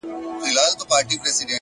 پوهه د راتلونکو نسلونو میراث دی،